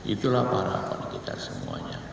itulah pahala pada kita semuanya